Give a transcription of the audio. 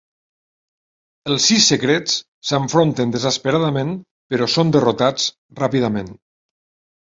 Els Sis Secrets s'enfronten desesperadament, però són derrotats ràpidament.